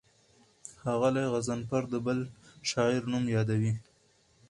ښاغلی غضنفر د بل شاعر نوم یادوي.